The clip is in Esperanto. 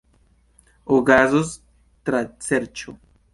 Okazos traserĉo.